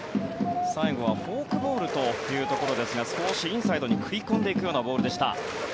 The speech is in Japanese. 最後はフォークボールというところですが少しインサイドに食い込んでいくようなボールでした。